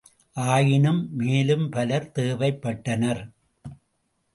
ஆயினும், மேலும் பலர் தேவைப்பட்டனர்.